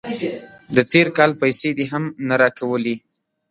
د تیر کال پیسې دې هم نه راکولې.